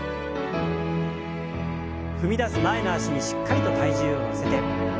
踏み出す前の脚にしっかりと体重を乗せて。